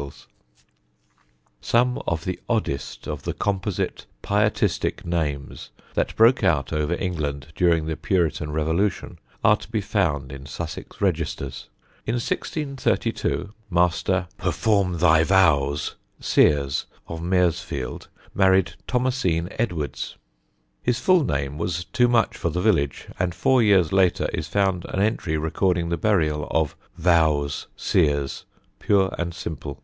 [Sidenote: PURITAN NAMES] Some of the oddest of the composite pietistic names that broke out over England during the Puritan revolution are to be found in Sussex registers. In 1632, Master Performe thy vowes Seers of Maresfield married Thomasine Edwards. His full name was too much for the village, and four years later is found an entry recording the burial of "Vowes Seers" pure and simple.